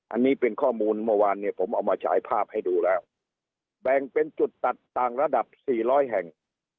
อันนี้เป็นข้อมูลเมื่อวานเนี่ยผมเอามาฉายภาพให้ดูแล้วแบ่งเป็นจุดตัดต่างระดับสี่ร้อยแห่ง